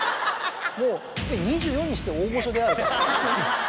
もうすでに２４にして大御所であると。